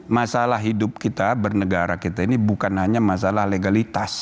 masalah hidup kita bernegara kita ini bukan hanya masalah legalitas